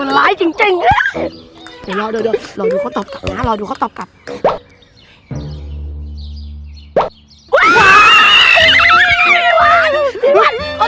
คนสองคนเข้าได้เลยจ้า